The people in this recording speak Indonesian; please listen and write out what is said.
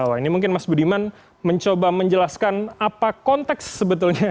wah ini mungkin mas budiman mencoba menjelaskan apa konteks sebetulnya